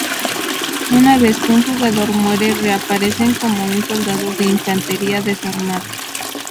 Una vez que un jugador muere reaparecen como un soldado de infantería desarmado.